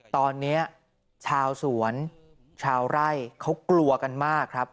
ตอนนี้ชาวสวนชาวไร่เขากลัวกันมากครับ